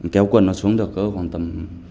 kéo quần nó xuống được ở khoảng tầm